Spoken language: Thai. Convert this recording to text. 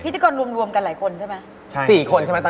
กรรวมรวมกันหลายคนใช่ไหมใช่สี่คนใช่ไหมตอน